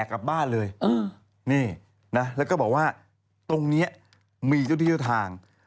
กลับบ้านเลยนี่นะแล้วก็บอกว่าตรงนี้มีเจ้าที่เจ้าทาง